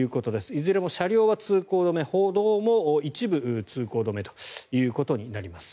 いずれも車両は通行止め歩道も一部通行止めとなります。